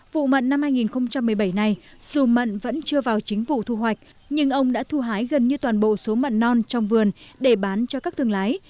vụ mận năm hai nghìn một mươi bảy này dù mận vẫn chưa vào chính vụ thu hoạch nhưng ông đã thu hái gần như toàn bộ số mận non trong vườn để bán cho các thương lái